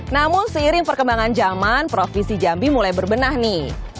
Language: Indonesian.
namun seiring perkembangan zaman provinsi jambi mulai berbenah nih